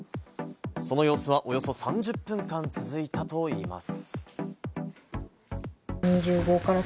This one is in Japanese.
その様子はおよそ３０分間続いたといいます。